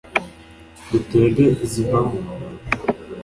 dutega zivamo